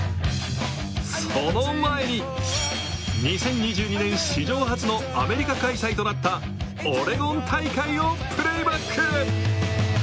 その前に２０２２年史上初のアメリカ開催となったオレゴン大会をプレイバック！